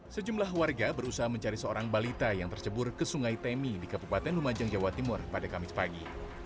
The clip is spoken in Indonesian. sejumlah warga berusaha mencari seorang balita yang tercebur ke sungai temi di kabupaten lumajang jawa timur pada kamis pagi